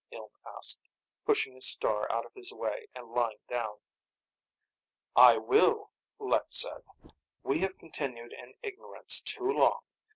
Ilm asked, pushing a star out of his way and lying down. "I will," Lek said. "We have continued in ignorance too long.